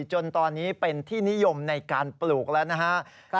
จนตอนนี้เป็นที่นิยมในการปลูกแล้วนะครับ